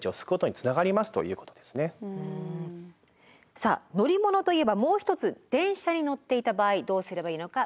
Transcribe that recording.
さあ乗り物といえばもう一つ電車に乗っていた場合どうすればいいのか？